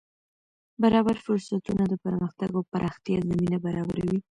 برابر فرصتونه د پرمختګ او پراختیا زمینه برابروي.